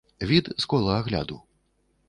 Від з кола агляду.